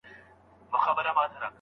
په مينه او درنښت.